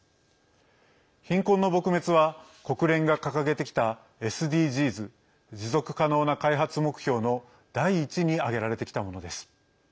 貧困の撲滅は国連が掲げてきたＳＤＧｓ＝持続可能な開発目標の第一に挙げられてきたものです。